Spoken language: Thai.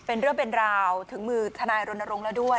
เป็นเรื่องเป็นราวถึงมือทนายรณรงค์แล้วด้วย